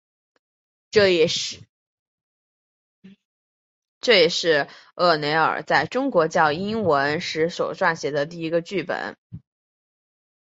这也是沃雷尔在中国教英文时所撰写的第一份剧本。